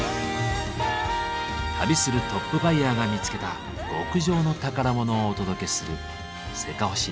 旅するトップバイヤーが見つけた極上の宝物をお届けする「せかほし５ｍｉｎ．」。